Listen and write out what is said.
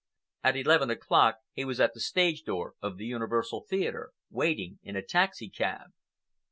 At eleven o'clock, he was at the stage door of the Universal Theatre, waiting in a taxicab.